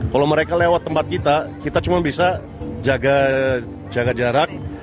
kalau mereka lewat tempat kita kita cuma bisa jaga jarak